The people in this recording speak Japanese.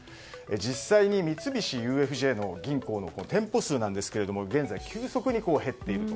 実際に三菱ＵＦＪ銀行の店舗数なんですが現在、急速に減っていると。